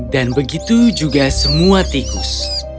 dan begitu juga semua tikus